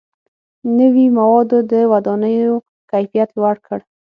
• نوي موادو د ودانیو کیفیت لوړ کړ.